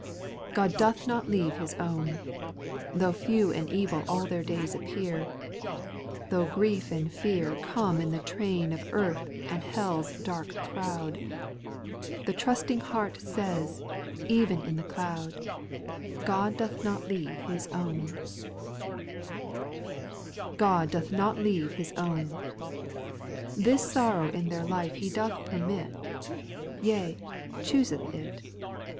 God doth not leave His own I . Tho' few and evil all their days appear, Tho' grief and fear Come in the train of earth and helVs dark crowd — The trusting heart says, even in the cloud, God doth not leave His own I 8. / God doth not leave His own I This sorrow in their life He doth permit — Yea, choose th it.